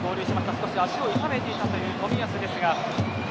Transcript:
少し足を痛めていたという冨安ですが。